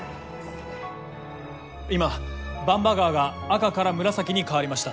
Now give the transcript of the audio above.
今番場川が赤から紫に変わりました。